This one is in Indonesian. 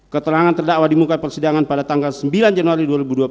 keterangan terdakwa di muka persidangan pada tanggal sembilan januari dua ribu dua puluh